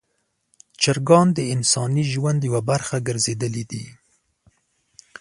چرګان د انساني ژوند یوه برخه ګرځېدلي دي.